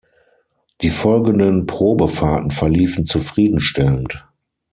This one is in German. Die folgenden Probefahrten verliefen zufriedenstellend.